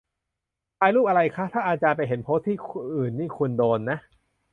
"ถ่ายรูปอะไรคะ" "ถ้าอาจารย์ไปเห็นโพสต์ที่อื่นนี่คุณโดนนะ"